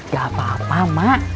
gak apa apa mak